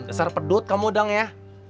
besar besar pedot kamu dang ya